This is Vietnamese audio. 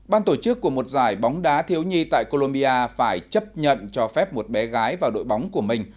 ban tổ chức của một giải bóng đá thiếu nhi tại colombia phải chấp nhận cho phép một bé gái vào đội bóng của mình